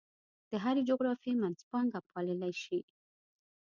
د هرې جغرافیې منځپانګه پاللی شي.